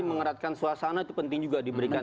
mengeratkan suasana itu penting juga diberikan